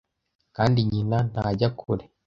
kandi nyina ntajya kure